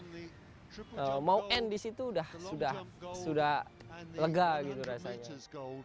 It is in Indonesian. jadi sekarang kita sudah mengambil peningkatan triple gold peningkatan long jump gold dan peningkatan seratus meter gold